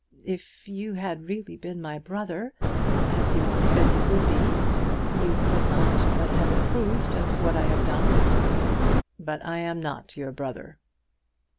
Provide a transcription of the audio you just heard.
If you had really been my brother, as you once said you would be, you could not but have approved of what I have done." "But I am not your brother."